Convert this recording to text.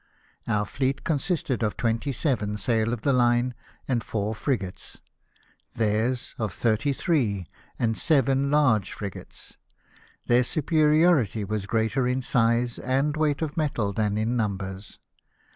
Our fleet consisted of twenty seven sail of the line and four frigates ; theirs of thirty three, and seven large frigates. Their superiority was greater in size, and weight of metal, than in numbers.